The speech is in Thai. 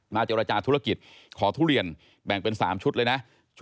เจรจาธุรกิจขอทุเรียนแบ่งเป็น๓ชุดเลยนะ